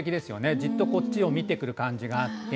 じっとこっちを見てくる感じがあって。